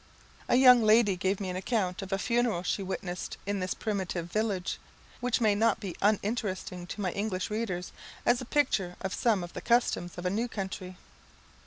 A young lady gave me an account of a funeral she witnessed in this primitive village, which may not be uninteresting to my English readers, as a picture of some of the customs of a new country.